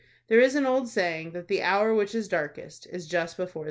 There is an old saying that the hour which is darkest is just before day.